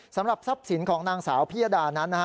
สำหรับทรัพย์สินของนางสาวพิยดานั้นนะฮะ